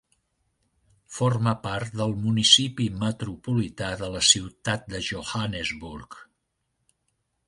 Forma part del Municipi Metropolità de la Ciutat de Johannesburg.